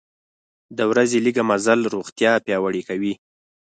د ورځې لږه مزل روغتیا پیاوړې کوي.